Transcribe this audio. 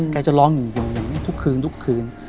แกจะร้องอยู่อย่างนั้นทุกคืน